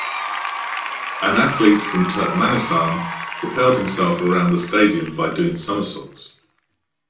An athlete from Turkmenistan propelled himself around the stadium by doing somersaults.